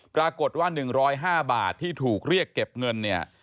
ปรากฏว่า๑๐๕บาทที่ถูกเรียกเก็บเงินเนี่ย